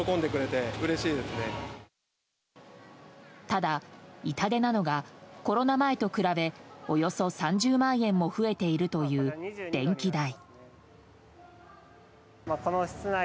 ただ、痛手なのがコロナ前と比べおよそ３０万円も増えているという、電気代。